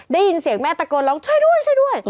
ได้ยินเสียงแม่ตะโกนร้องช่วยด้วยช่วยด้วย